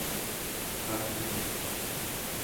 карты